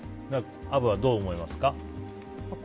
アブはどう思いますか？